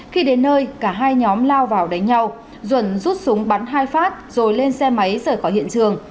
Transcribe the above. khi đến nơi cả hai nhóm lao vào đánh nhau duẩn rút súng bắn hai phát rồi lên xe máy rời khỏi hiện trường